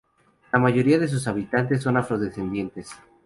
La mayoría de sus habitantes son afrodescendientes.